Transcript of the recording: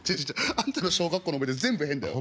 あんたの小学校の思い出全部変だよ。